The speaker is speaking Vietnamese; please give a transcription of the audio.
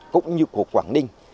cũng như của quảng ninh